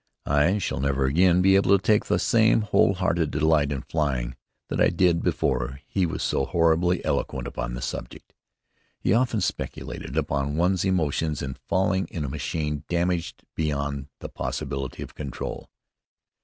I shall never again be able to take the same whole hearted delight in flying that I did before he was so horribly eloquent upon the subject. He often speculated upon one's emotions in falling in a machine damaged beyond the possibility of control.